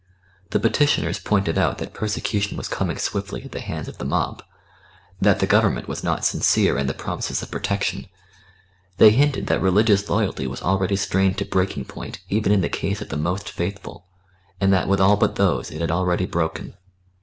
The "petitioners" pointed out that persecution was coming swiftly at the hands of the mob; that the Government was not sincere in the promises of protection; they hinted that religious loyalty was already strained to breaking point even in the case of the most faithful, and that with all but those it had already broken.